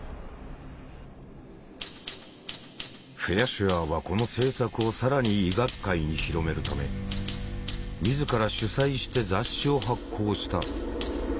シュアーはこの政策を更に医学界に広めるため自ら主宰して雑誌を発行した。